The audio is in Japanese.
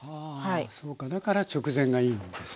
そうかだから直前がいいんですね。